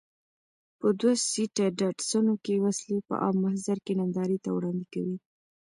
په دوه سیټه ډاټسنونو کې وسلې په عام محضر کې نندارې ته وړاندې کوي.